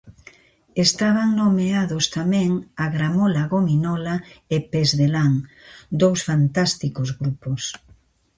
Estaban nomeados tamén A Gramola Gominola e Pesdelán, dous fantásticos grupos.